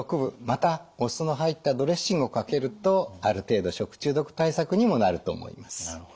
またお酢の入ったドレッシングをかけるとある程度食中毒対策にもなると思います。